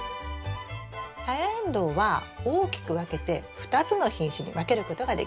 サヤエンドウは大きく分けて２つの品種に分けることができます。